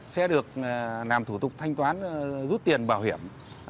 sẽ được làm thủ tục thanh toán rút tiền bảo hiểm